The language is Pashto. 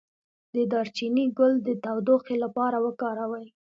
د دارچینی ګل د تودوخې لپاره وکاروئ